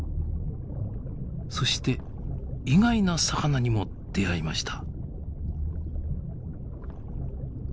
そして意外な魚にも出会いました。